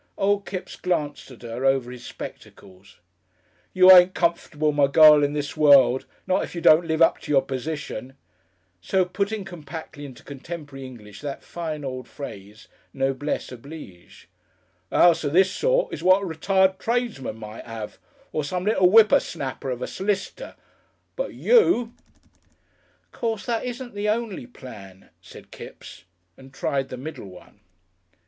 Old Kipps glanced at her over his spectacles. "You ain't comfortable, my gal, in this world, not if you don't live up to your position," so putting compactly into contemporary English that fine old phrase, noblesse oblige. "A 'ouse of this sort is what a retired tradesman might 'ave, or some little whippersnapper of a s'liciter. But you " "Course that isn't the o'ny plan," said Kipps, and tried the middle one.